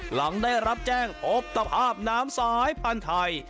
หลังได้รับแจ้งพบตภาพน้ำสายพันธุ์ไทย